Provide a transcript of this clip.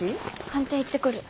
官邸行ってくる。